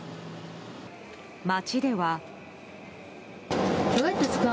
街では。